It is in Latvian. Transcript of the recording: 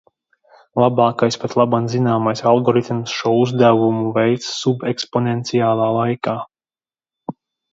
Labākais patlaban zināmais algoritms šo uzdevumu veic subeksponenciālā laikā.